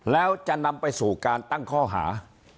แล้วจะนำไปสู่การตั้งข้อหา